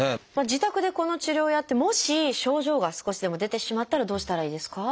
自宅でこの治療をやってもし症状が少しでも出てしまったらどうしたらいいですか？